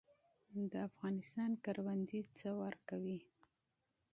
د افغانستان کروندې څه ورکوي؟